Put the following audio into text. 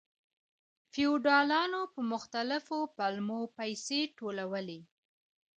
فیوډالانو په مختلفو پلمو پیسې ټولولې.